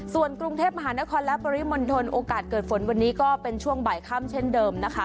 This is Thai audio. ส่วนกรุงเทพมหานครและปริมณฑลโอกาสเกิดฝนวันนี้ก็เป็นช่วงบ่ายค่ำเช่นเดิมนะคะ